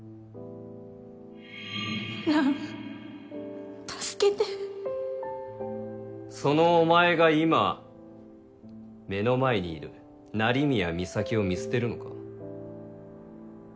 蘭助けてそのお前が今目の前にいる成宮美咲を見捨てるのか？